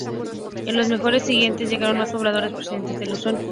En los meses siguientes llegaron mas pobladores procedentes de Luzón.